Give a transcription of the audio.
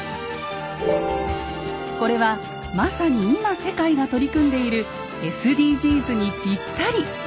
これはまさに今世界が取り組んでいるＳＤＧｓにぴったり。